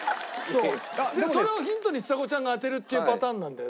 それをヒントにちさ子ちゃんが当てるっていうパターンなんだよ